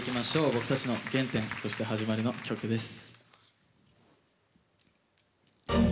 僕たちの原点そして、始まりの曲です。